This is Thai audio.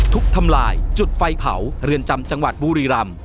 ทำลายจุดไฟเผาเรือนจำจังหวัดบุรีรำ